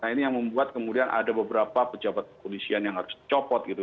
nah ini yang membuat kemudian ada beberapa pejabat kepolisian yang harus dicopot gitu